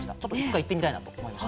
行ってみたいなと思いました。